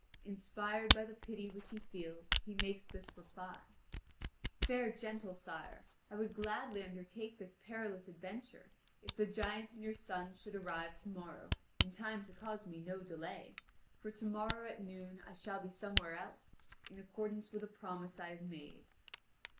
Inspired by the pity which he feels, he makes this reply: "Fair gentle sire, I would gladly undertake this perilous adventure, if the giant and your sons should arrive to morrow in time to cause me no delay, for tomorrow at noon I shall be somewhere else, in accordance with a promise I have made."